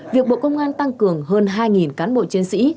việc bộ công an tăng cường hơn hai cán bộ chiến sĩ